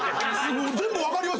全部わかります